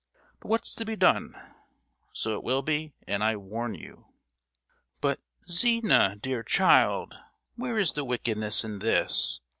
But what's to be done? So it will be, and I warn you!" "But Zina, dear child, where is the wickedness in this?"